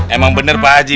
emang bener baji